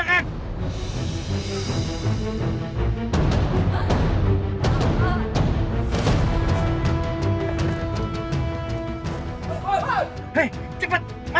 aku mau ih dari lagi ya